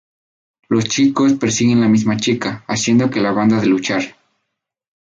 Los chicos persiguen la misma chica, haciendo que la banda de luchar.